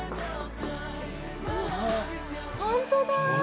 本当だ！